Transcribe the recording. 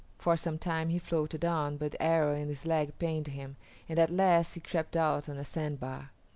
For some time he floated on, but the arrow in his leg pained him and at last he crept out on a sandbar.